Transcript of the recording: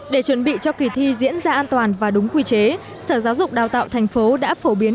để chuẩn bị cho kỳ thi diễn ra an toàn và đúng quy chế sở giáo dục đào tạo thành phố đã phổ biến